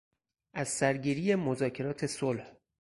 از سرگیری مذاکرات صلح